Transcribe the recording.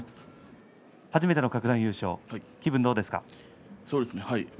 初めての各段優勝気分はどうですか？